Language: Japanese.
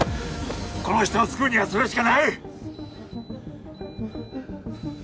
この人を救うにはそれしかない！